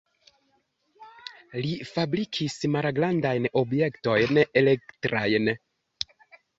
Li fabrikis malgrandajn objektojn elektrajn.